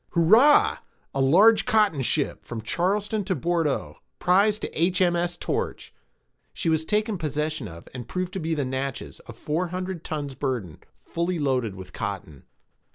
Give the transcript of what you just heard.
Hurrah! a large cotton ship, from Charleston to Bourdeaux, prize to H.M.S. Torch. She was taken possession of, and proved to be the Natches, of four hundred tons burden, fully loaded with cotton.